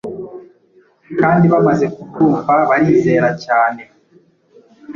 kandi bamaze kubwumva barizera cyane.